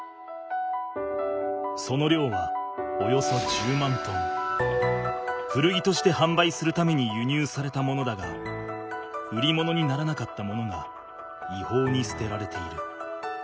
その量は古着としてはんばいするためにゆにゅうされたものだが売り物にならなかったものがいほうに捨てられている。